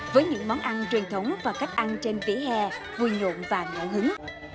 với những món ăn truyền thống và cách ăn trên vỉa hè vui nhộn và ngo hứng